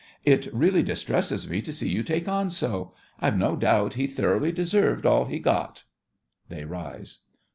It really distresses me to see you take on so. I've no doubt he thoroughly deserved all he got. (They rise.)